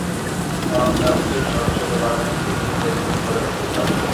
অর্থাৎ যিনি সদস্য হতে পারবেন, তিনি নির্বাহী কমিটির পদেও থাকতে পারবেন।